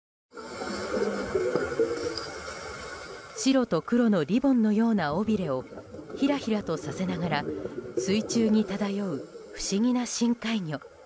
白と黒のリボンのような尾びれをひらひらとさせながら水中に漂う不思議な深海魚。